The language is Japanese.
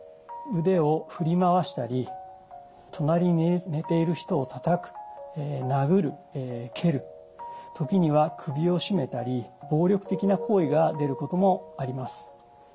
腕を振り回したり隣に寝ている人をたたく殴る蹴る時には首を絞めたり暴力的な行為が出ることもあります。